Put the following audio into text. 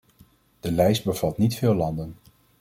De lijst bevat niet veel landen.